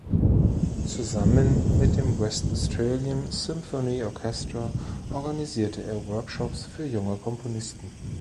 Zusammen mit dem West Australian Symphony Orchestra organisierte er Workshops für junge Komponisten.